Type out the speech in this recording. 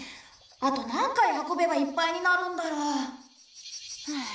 あと何回運べばいっぱいになるんだろう。はあ。